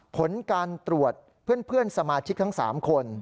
ผลการตรวจเพื่อนสมาชิกทั้ง๓คน